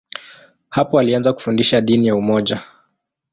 Hapo alianza kufundisha dini ya umoja.